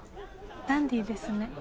ダンディーですね。